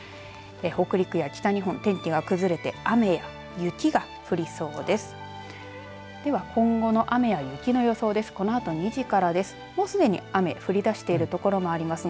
北陸や北日本天気が崩れて、雨や雪が降りそうです。